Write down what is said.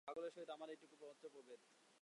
পাগলের সহিত আমাদের এইটুকু মাত্র প্রভেদ।